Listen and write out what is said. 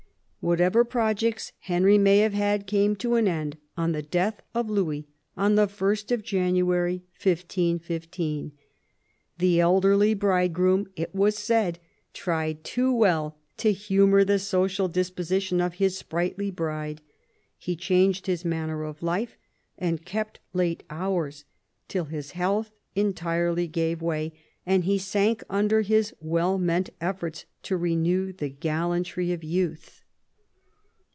Whatever projects Henry may have had came to an end on the death of Louis on, the 1st of January 1615. The elderly bridegroom, it was said, tried too well to humour the social disposition of hja sprightly bride. He changed his manner of life, and kept late hours, till his health entirely gave way,, and he sank under his well meant efforts to renew^ the gallantry of youth.